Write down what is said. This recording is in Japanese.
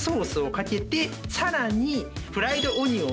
さらに。